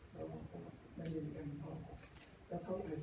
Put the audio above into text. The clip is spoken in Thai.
แล้วก็มันอยู่ด้วยกันเพราะแล้วเขาอีกประสิทธิ์อยู่นะฮะ